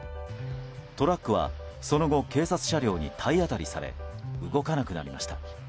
トラックはその後警察車両に体当たりされ動かなくなりました。